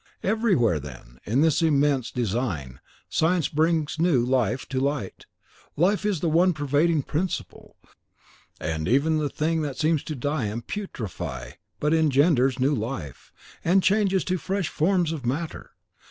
Everywhere, then, in this immense design, science brings new life to light. Life is the one pervading principle, and even the thing that seems to die and putrify but engenders new life, and changes to fresh forms of matter.